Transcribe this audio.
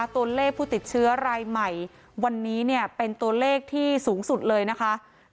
ตัวเลขผู้ติดเชื้อรายใหม่วันนี้เป็นตัวเลขที่สูงสุดเลยนะคะ